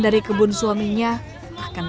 dari kebun suaminya akan